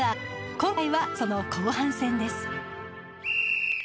今回はその後半戦です。